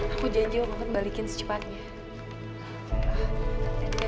aku janji untuk balikin secepatnya